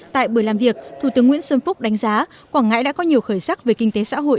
tại buổi làm việc thủ tướng nguyễn xuân phúc đánh giá quảng ngãi đã có nhiều khởi sắc về kinh tế xã hội